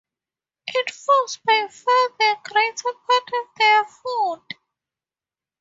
It forms by far the greater part of their food.